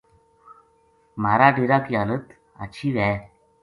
مھارا ڈیرا کی حالت ہچھی وھے